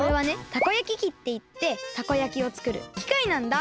たこ焼き器っていってたこ焼きをつくるきかいなんだ。